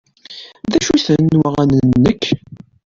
D acu-ten waɣanen-nnek?